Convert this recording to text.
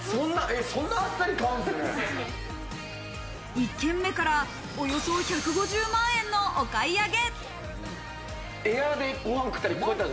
１軒目から、およそ１５０万円のお買い上げ。